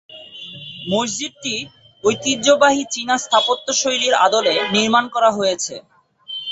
মসজিদটি ঐতিহ্যবাহী চীনা স্থাপত্য শৈলীর আদলে নির্মাণ করা হয়েছে।